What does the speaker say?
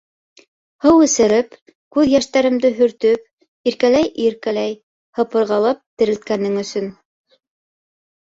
Һыу эсереп, күҙ йәштәремде һөртөп, иркәләй-иркәләй һыпырғылап терелткәнең өсөн...